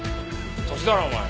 年だろお前。